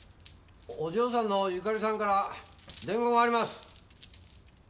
お嬢さんの由加利さんから伝言があります。